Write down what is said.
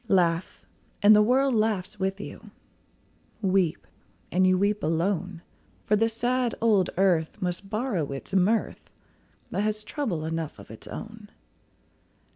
Laugh, and the world laughs with you; Weep, and you weep alone; For the sad old earth must borrow its mirth, But has trouble enough of its own.